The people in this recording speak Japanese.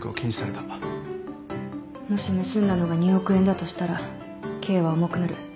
もし盗んだのが２億円だとしたら刑は重くなる。